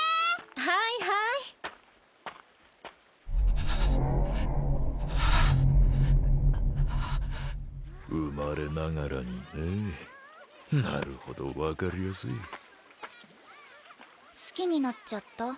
はいはいはあはあ生まれながらにねえなるほど分かりやすい好きになっちゃった？